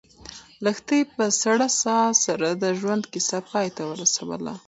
لښتې په سړه ساه سره د ژوند کیسه پای ته ورسوله.